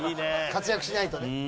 活躍しないとね。